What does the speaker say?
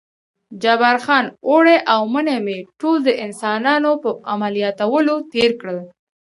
جبار خان: اوړی او منی مې ټول د انسانانو په عملیاتولو تېر کړل.